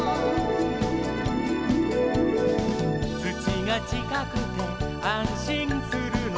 「つちがちかくてあんしんするの」